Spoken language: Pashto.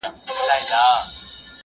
زه به اوږده موده مېوې وچولي وم